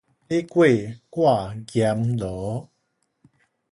你鬼我閻羅